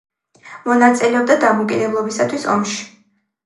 მონაწილეობდა დამოუკიდებლობისათვის ომში.